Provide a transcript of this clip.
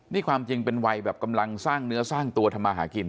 นี่ความจริงเป็นวัยแบบกำลังสร้างเนื้อสร้างตัวทำมาหากิน